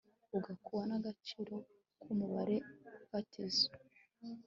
ugakubwa n agaciro k umubare fatizo